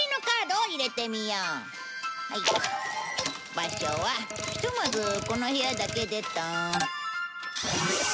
場所はひとまずこの部屋だけでっと。